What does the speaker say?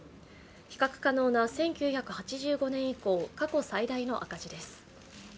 比較可能な１９８５年以降、過去最大の赤字です。